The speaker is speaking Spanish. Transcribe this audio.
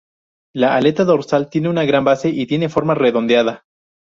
La aleta dorsal tiene una gran base y tiene forma redondeada.